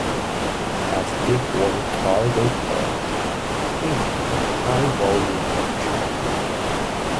As a deep water cargo port, it has a high volume of traffic.